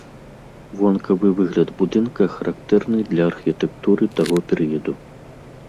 Вонкавы выгляд будынка характэрны для архітэктуры таго перыяду.